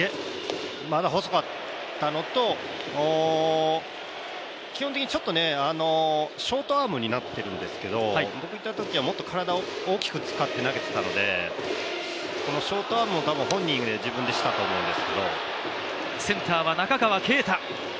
まだ細かったのと、基本的にちょっとショートアームになっているんですけど僕いたときはもっと体を大きく使って投げていたのでショートアームを本人が自分でしたと焼きソバもいきます？